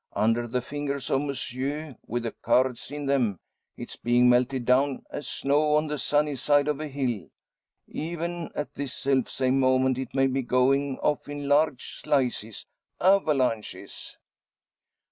Under the fingers of Monsieur, with the cards in them, it's being melted down as snow on the sunny side of a hill. Even at this self same moment it may be going off in large slices avalanches!"